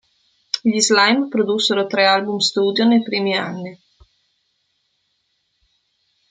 Gli Slime produssero tre album studio nei primi anni.